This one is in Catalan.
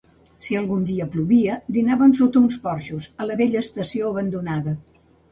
Si algun dia plovia, dinaven sota uns porxos, a la vella estació abandonada.